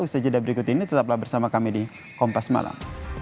usaha jeda berikut ini tetaplah bersama kami di kompas malam